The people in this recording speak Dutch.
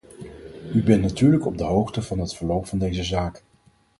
U bent natuurlijk op de hoogte van het verloop van deze zaak.